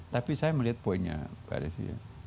tapi saya melihat poinnya pak revia